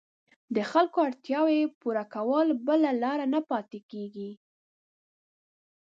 د خلکو اړتیاوو پوره کولو بله لاره نه پاتېږي.